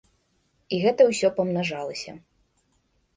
І гэта ўсё памнажалася.